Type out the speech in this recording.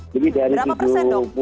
berapa persen dok